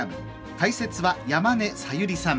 解説は山根佐由里さん